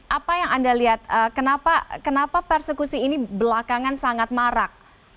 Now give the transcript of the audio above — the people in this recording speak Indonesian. apa yang anda lihat kenapa persekusi ini belakangan sangat marak